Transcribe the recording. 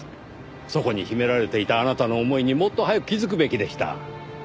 そこに秘められていたあなたの思いにもっと早く気づくべきでした。